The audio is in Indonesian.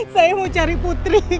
saya mau cari putri